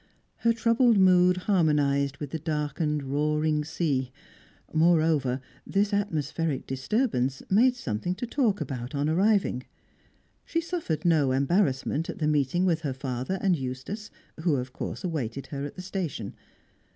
Her troubled mood harmonised with the darkened, roaring sea; moreover, this atmospheric disturbance made something to talk about on arriving. She suffered no embarrassment at the meeting with her father and Eustace, who of course awaited her at the station.